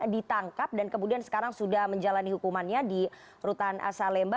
ditangkap dan kemudian sekarang sudah menjalani hukumannya di rutan salemba